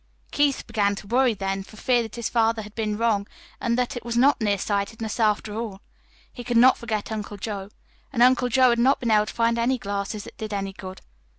Keith began to worry then, for fear that his father had been wrong, and that it was not near sightedness after all. He could not forget Uncle Joe and Uncle Joe had not been able to find any glasses that did any good.